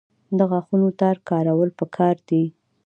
د غاښونو تار کارول پکار دي